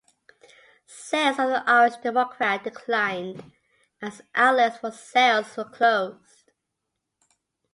Sales of the Irish Democrat declined as outlets for sales were closed.